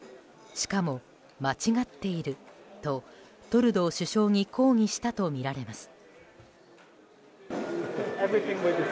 しかも間違っているとトルドー首相に抗議したとみられます。